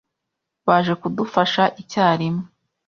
Baje kudufasha icyarimwe.